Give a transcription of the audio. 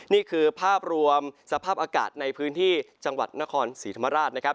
นี่คือภาพรวมสภาพอากาศในพื้นที่จังหวัดนครศรีธรรมราชนะครับ